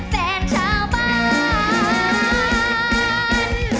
แฟนชาวบ้าน